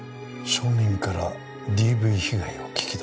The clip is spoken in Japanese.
証人からＤＶ被害を聞き出すんだ。